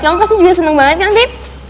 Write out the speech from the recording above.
kamu pasti juga seneng banget kan pip